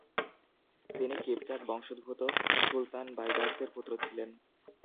তিনি কিপচাক বংশোদ্ভূত সুলতান বাইবার্সের পুত্র ছিলেন।